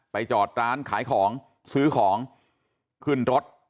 จอดร้านขายของซื้อของขึ้นรถ